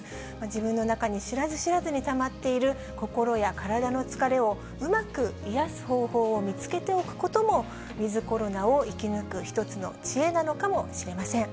自分の中に知らず知らずにたまっている心や体の疲れを、うまく癒やす方法を見つけておくことも、ウィズコロナを生き抜く一つの知恵なのかもしれません。